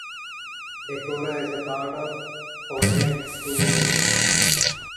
Dekorra is part of the Poynette School District.